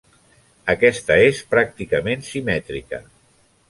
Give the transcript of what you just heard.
Aquesta és pràcticament simètrica.